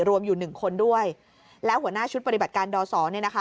รวมอยู่หนึ่งคนด้วยแล้วหัวหน้าชุดปฏิบัติการดอสอเนี่ยนะคะ